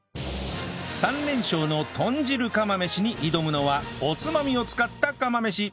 ３連勝の豚汁釜飯に挑むのはおつまみを使った釜飯